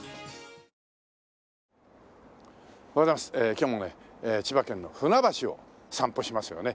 今日もね千葉県の船橋を散歩しますよね。